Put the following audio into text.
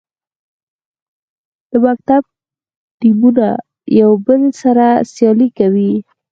د مکتب ټیمونه یو بل سره سیالي کوي.